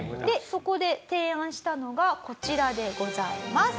そこで提案したのがこちらでございます。